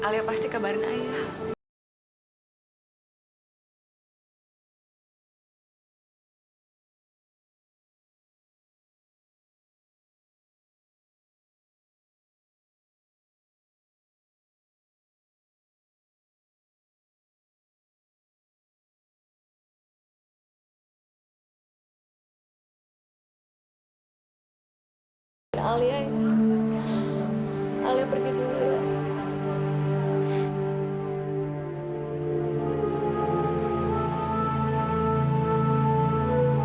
berarti sama dengan pusing pusing